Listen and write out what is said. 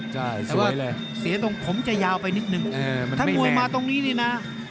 แต่ว่าเสียตรงผมจะยาวไปนิดนึงถ้ามวยมาตรงนี้นี่นะ